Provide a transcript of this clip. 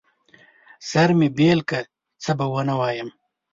سر مې بېل که، څه به ونه وايم.